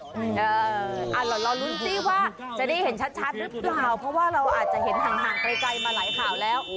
เดี๋ยวรอลุ้นซิว่าจะได้เห็นชัดหรือเปล่าเพราะว่าเราอาจจะเห็นห่างไกลมาหลายข่าวแล้ว